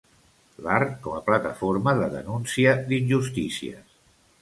L'art com a plataforma de denúncia d'injustícies.